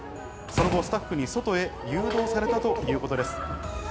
その後スタッフに外へ誘導されたということです。